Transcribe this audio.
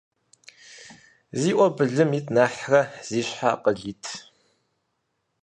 Зи Ӏуэ былым ит нэхърэ зи щхьэ акъыл ит.